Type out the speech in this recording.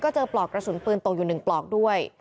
เจอปลอกกระสุนปืนตกอยู่๑ปลอกด้วย